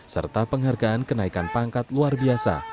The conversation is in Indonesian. serta penghargaan kenaikan pangkat luar biasa